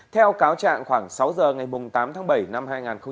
theo cáo trạng khoảng sáu h ngày tám tháng bảy năm hai nghìn hai mươi ba